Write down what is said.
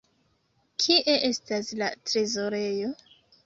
Kie estas la trezorejo?